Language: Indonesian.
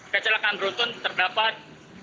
kecelakaan beruntun terdapat